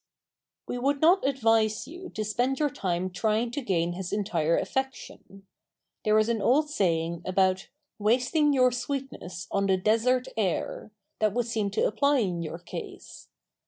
We would not advise you to spend your time trying to gain his entire affection. There is an old saying about "wasting your sweetness on the desert air" that would seem to apply in your case.